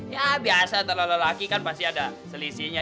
ya biasa kalau lelaki kan pasti ada selisihnya